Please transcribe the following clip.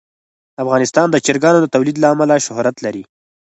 افغانستان د چرګانو د تولید له امله شهرت لري.